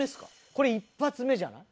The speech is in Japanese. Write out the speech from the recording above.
これ一発目じゃない？